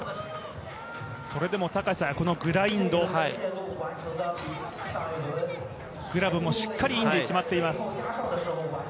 それでも高さやこのグラインド、グラブもしっかりインディ決まっています。